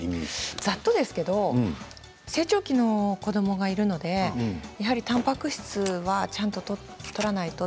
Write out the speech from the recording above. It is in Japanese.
ざっとですけれど成長期の子どもがいるのでやはり、たんぱく質をちゃんととらないとと。